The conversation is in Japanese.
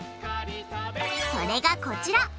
それがこちら！